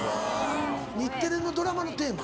日テレのドラマのテーマ？